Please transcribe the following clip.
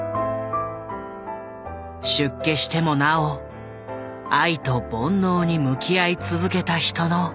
出家してもなお愛と煩悩に向き合い続けた人の物語。